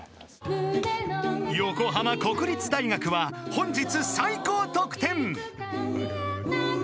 ［横浜国立大学は本日最高得点］